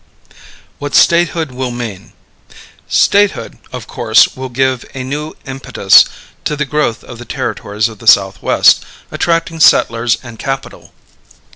What Statehood Will Mean. Statehood, of course, will give a new impetus to the growth of the Territories of the Southwest, attracting settlers and capital.